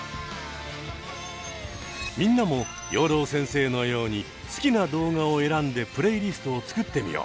みんなも養老先生のように好きな動画を選んでプレイリストを作ってみよう。